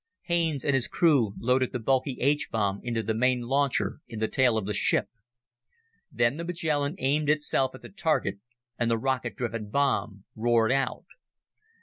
Haines and his crew loaded the bulky H bomb into the main launcher in the tail of the ship. Then the Magellan aimed itself at the target, and the rocket driven bomb roared out.